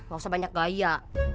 gak usah banyak gaya